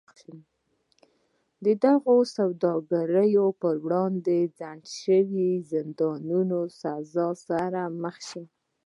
د دغو سوداګرو پر وړاندې خنډ شي د زندان سزا سره مخ شي.